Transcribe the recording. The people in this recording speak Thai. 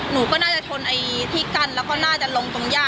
หนูก็น่าจะชนไอ้ที่กั้นแล้วก็น่าจะลงตรงย่า